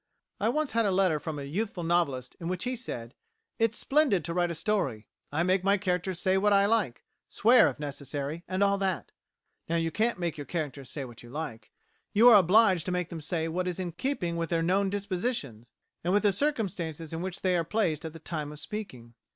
I once had a letter from a youthful novelist, in which he said: "It's splendid to write a story. I make my characters say what I like swear, if necessary and all that." Now you can't make your characters say what you like; you are obliged to make them say what is in keeping with their known dispositions, and with the circumstances in which they are placed at the time of speaking.